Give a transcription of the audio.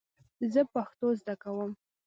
زه پښتو زده کوم